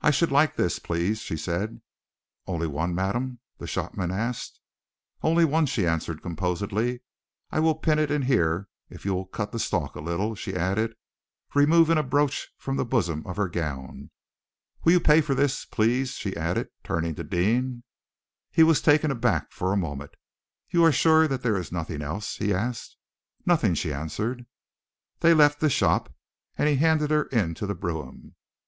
"I should like this, please," she said. "One only, madam?" the shopman asked. "One only," she answered composedly. "I will pin it in here if you will cut the stalk a little," she added, removing a brooch from the bosom of her gown. "Will you pay for this, please?" she added, turning to Deane. He was taken aback for a moment. "You are sure that there is nothing else?" he asked. "Nothing," she answered. They left the shop and he handed her into the brougham.